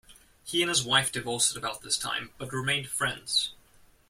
He and his wife divorced at about this time but remained friends.